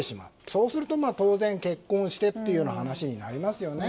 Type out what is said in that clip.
そうすると、当然結婚してという話になりますよね。